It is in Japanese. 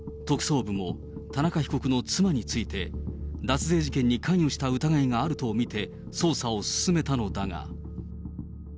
特捜部も、田中被告の妻について、脱税事件に関与した疑いがあると見て捜査を進めたのだが。